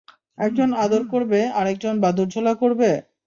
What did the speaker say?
একজন আদর করবে, আরেকজন বাদুড়ঝোলা করবে?